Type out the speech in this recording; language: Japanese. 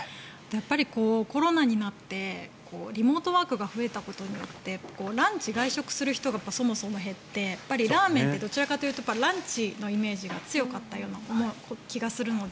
コロナになってリモートワークが増えたことによってランチ、外食する人がそもそも減ってラーメンってどちらかというとランチのイメージが強かったような気がするので。